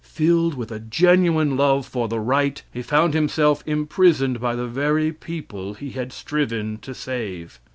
Filled with a genuine love for the right, he found himself imprisoned by the very people he had striven to save.